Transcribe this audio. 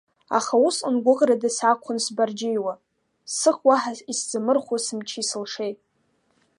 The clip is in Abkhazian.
Аха усҟан гәыӷрада саақәхон сбарџьеиуа, сых уаҳа исзамырхәо сымчи-сылшеи.